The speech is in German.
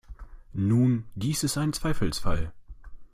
Nun, dies ist ein Zweifelsfall.